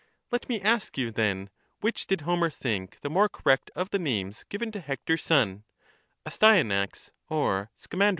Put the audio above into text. Let me ask you, then, which did Homer think the more correct of the names given to Hector's son — Astyanax or Scamandrius?